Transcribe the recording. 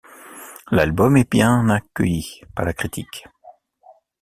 L'album est bien accueilli par la critique.